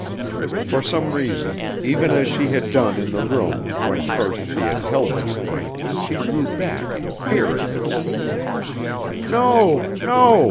For some reason, even as she had done in the room when first she had held this thing, she drew back in fear at this. "No! No!"